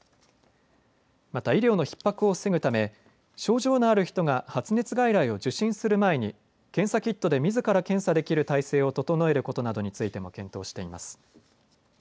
また医療のひっ迫を防ぐため症状のある人が発熱外来を受診する前に検査キットでみずから検査できる体制を整えることなどについても検討しています。